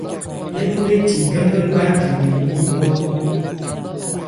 Ńmréci gán-gán gbajwi 'le wú yí nmwá-nmwá.